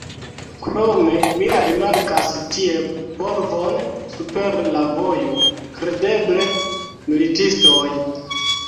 Krome, mi rimarkas tie polvon super la vojo: kredeble, militistoj!